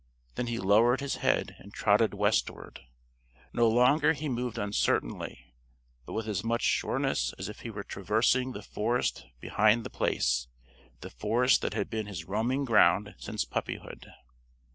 Then he lowered his head and trotted westward. No longer he moved uncertainly, but with as much sureness as if he were traversing the forest behind The Place the forest that had been his roaming ground since puppyhood.